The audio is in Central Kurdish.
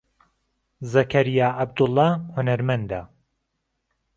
زەکەریا عەبدوڵڵا هونەرمەندە.